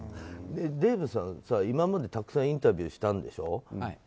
デーブさんさ、今までたくさんインタビューしたんでしょ。